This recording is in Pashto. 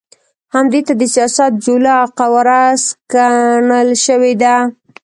همدې ته د سیاست جوله او قواره سکڼل شوې ده.